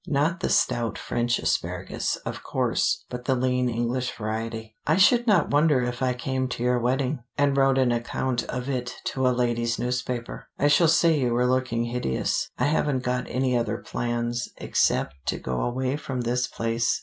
Not the stout French asparagus, of course, but the lean English variety. I should not wonder if I came to your wedding, and wrote an account of it to a ladies' newspaper. I shall say you were looking hideous. I haven't got any other plans, except to go away from this place.